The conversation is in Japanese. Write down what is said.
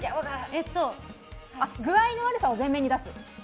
具合の悪さを前面に出す。